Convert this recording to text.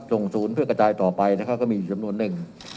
ส่งศูนย์เพื่อกระจายต่อไปแล้วเขาก็มีอยู่จำนวนหนึ่ง